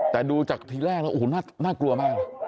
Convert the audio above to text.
แต่ดูจากทีแรกแล้วโอ้โหน่ากลัวมากนะ